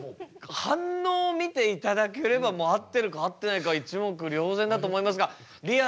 反応を見ていただければもう合ってるか合ってないか一目瞭然だと思いますがりあ